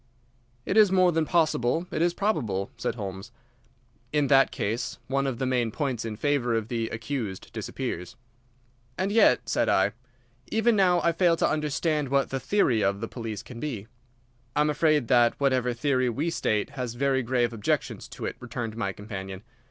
"It is more than possible; it is probable," said Holmes. "In that case one of the main points in favour of the accused disappears." "And yet," said I, "even now I fail to understand what the theory of the police can be." "I am afraid that whatever theory we state has very grave objections to it," returned my companion.